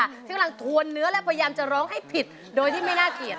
ที่กำลังทวนเนื้อและพยายามจะร้องให้ผิดโดยที่ไม่น่าเกลียด